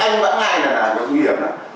còn cái anh bán này là nguy hiểm lắm